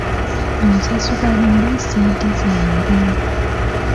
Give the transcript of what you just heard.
Onsasula ddi ssente zange?